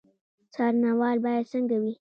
څارنوال باید څنګه وي؟